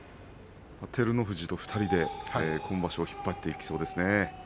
照ノ富士と２人で今場所を引っ張っていきそうですね。